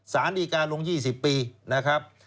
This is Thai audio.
สานดีการโลงยี่สิบปีนะครับ